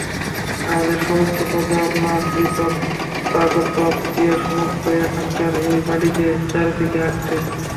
আমাদের সমস্ত প্রজা-আমলা, আশ্রিত-অভ্যাগত-আত্মীয়, সমস্তই এখানকার এই বাড়িকে চারি দিকে আঁকড়ে।